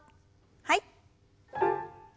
はい。